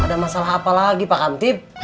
ada masalah apa lagi pak amtip